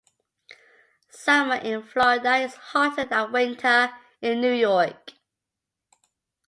Summer in Florida is hotter than winter in New York.